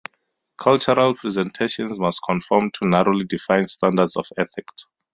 Cultural presentations must conform to narrowly defined standards of ethics.